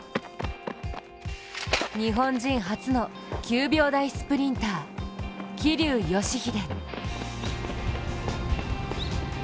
日本人初の９秒台スプリンター桐生祥秀。